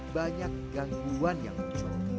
banyak gangguan yang muncul